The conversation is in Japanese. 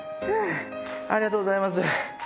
ありがとうございます。